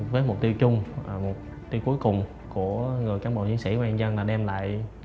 với mục tiêu chung mục tiêu cuối cùng của người cán bộ chiến sĩ công an nhân dân là đem lại